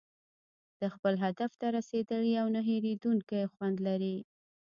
د خپل هدف ته رسېدل یو نه هېریدونکی خوند لري.